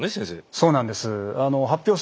そうなんです。